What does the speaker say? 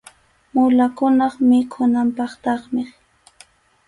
Mulakunap mikhunanpaqtaqmi.